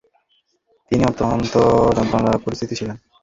তিনি অত্যন্ত যন্ত্রণাদায়ক পরিস্থিতিতে ছিলেন।